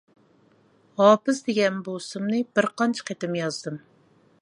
ھاپىز دېگەن بۇ ئىسىمنى بىر قانچە قېتىم يازدىم.